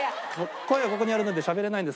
声がここにあるのでしゃべれないんです。